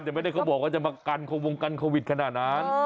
แต่ไม่ได้เขาบอกว่าจะมากันวงกันโควิดขนาดนั้น